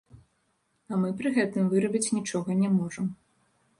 А мы пры гэтым вырабіць нічога не можам.